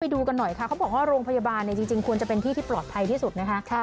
ดูกันหน่อยค่ะเขาบอกว่าโรงพยาบาลจริงควรจะเป็นที่ที่ปลอดภัยที่สุดนะคะ